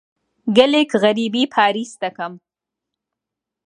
گەلێک غەریبی پاریس دەکەم.